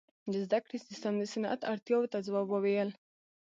• د زدهکړې سیستم د صنعت اړتیاو ته ځواب وویل.